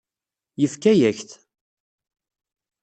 Yefka-yak-t.